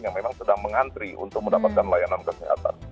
yang memang sedang mengantri untuk mendapatkan layanan kesehatan